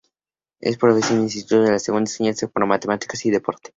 Es profesor de instituto de segunda enseñanza para matemáticas y deporte.